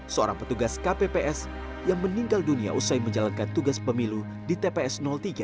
seorang petugas kpps yang meninggal dunia usai menjalankan tugas pemilu di tps tiga